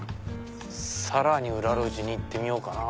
さらに裏路地に行ってみようかな。